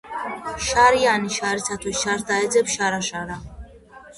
შარიანი შარისათვის შარს დაეძებს შარა-შარა